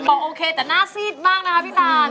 บอกโอเคแต่หน้าซีดมากนะคะพี่ลาน